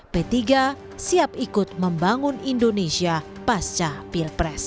p tiga siap ikut membangun indonesia pasca pilpres